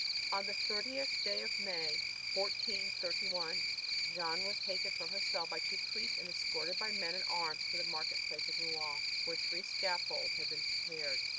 On the thirtieth of May, 1431, Jeanne was taken from her cell by two priests and escorted by men at arms to the market place of Rouen, where three scaffolds had been prepared.